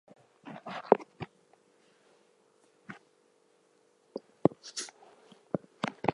We also include our previous module, to illustrate how equations and rewrite rules differ.